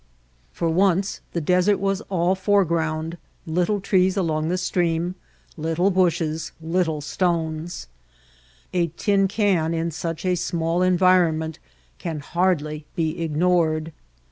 For once the desert was all foreground, little trees [.8.] White Heart of Mojave along the stream, little bushes, little stones. A tin can in such a small environment can hardly be ignored.